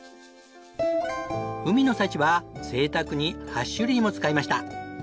海の幸は贅沢に８種類も使いました。